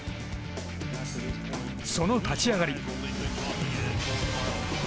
その立ち上がり。